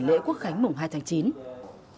lễ quốc khánh mùng hai tháng chín